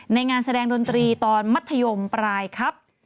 งานแสดงดนตรีตอนมัธยมปลายครับ